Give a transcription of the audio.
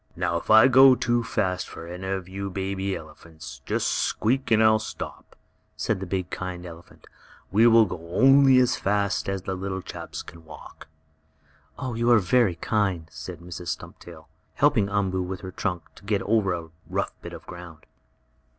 "Now if I go too fast for any of you baby elephants, just squeak and I'll stop," said the big, kind elephant. "We will go only as fast as you little chaps can walk." "You are very kind," said Mrs. Stumptail, helping Umboo, with her trunk, to get over a rough bit of ground.